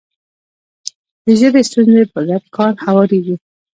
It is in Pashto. د ژبې ستونزې په ګډ کار هواریږي.